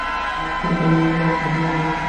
সে গম্ভীরমুখে কহিল, আমারই তো হার হইয়াছে।